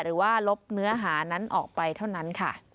หรือว่าลบเนื้อหานั้นออกไปเท่านั้น